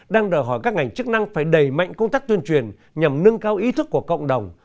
đang đòi hỏi các ngành chức năng phải đẩy mạnh công tác tuyên truyền nhằm nâng cao ý thức của cộng đồng